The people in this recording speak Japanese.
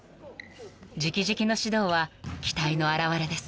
［直々の指導は期待の表れです］